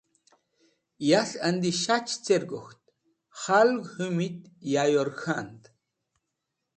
Yas̃h andi shachẽ cer gok̃ht, kahlg hũmit ya yor k̃had.